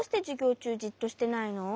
ちゅうじっとしてないの？